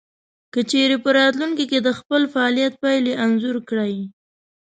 که چېرې په راتلونکې کې د خپل فعاليت پايلې انځور کړئ.